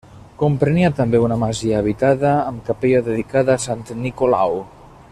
Comprenia també una masia habitada, amb capella dedicada a sant Nicolau.